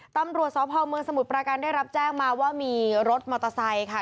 ตำรวจสพเมืองสมุทรประการได้รับแจ้งมาว่ามีรถมอเตอร์ไซค์ค่ะ